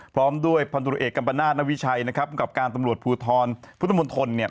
พร้อมด้วยพันธุรเอกกัมปนาศนวิชัยนะครับภูมิกับการตำรวจภูทรพุทธมนตรเนี่ย